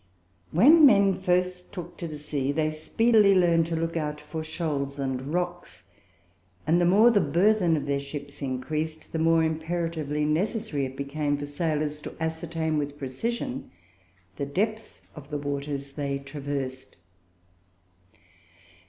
When men first took to the sea, they speedily learned to look out for shoals and rocks; and the more the burthen of their ships increased, the more imperatively necessary it became for sailors to ascertain with precision the depth of the waters they traversed.